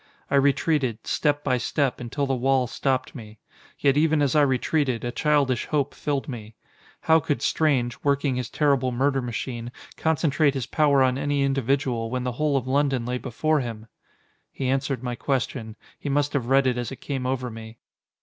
I retreated, step by step, until the wall stopped me. Yet even as I retreated, a childish hope filled me. How could Strange, working his terrible murder machine, concentrate his power on any individual, when the whole of London lay before him? He answered my question. He must have read it as it came over me.